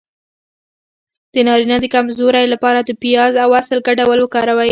د نارینه د کمزوری لپاره د پیاز او عسل ګډول وکاروئ